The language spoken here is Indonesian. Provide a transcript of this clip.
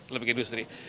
lebih ke industri